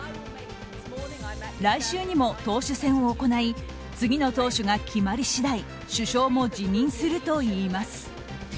来週にも党首選を行い次の党首が決まり次第首相も辞任するといいます。